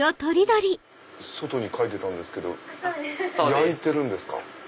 外に書いてたんですけど焼いてるんですか？